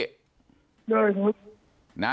ได้ครับ